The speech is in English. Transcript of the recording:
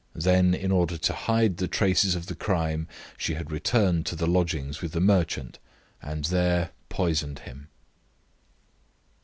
Then, in order to hide the traces of the crime, she had returned to the lodgings with the merchant and there poisoned him.